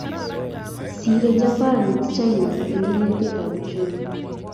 Sirei Japan China eng kimnatetab uchumi